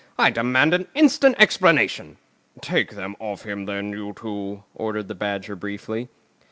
I demand an instant explanation." "Take them off him, then, you two," ordered the Badger briefly.